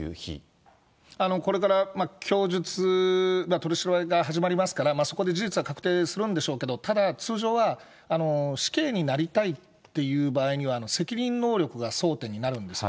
取り調べが始まりますから、そこで事実は確定するんでしょうけど、ただ通常は、死刑になりたいっていう場合には、責任能力が争点になるんですよ。